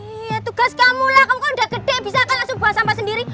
iya tugas kamu lah kamu kalau udah gede bisa akan langsung buang sampah sendiri